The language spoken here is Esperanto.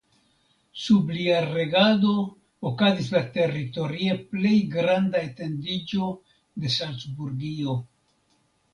Sub lia regado okazis la teritorie plej granda etendiĝo de Salcburgio.